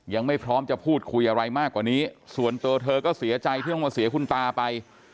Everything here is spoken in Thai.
ยังไม่พร้อมจะพูดคุยอะไรมากกว่านี้ส่วนตัวเธอก็เสียใจที่ต้องมาเสียคุณตาไป